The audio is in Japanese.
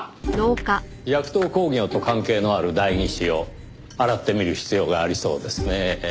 ヤクトー工業と関係のある代議士を洗ってみる必要がありそうですねぇ。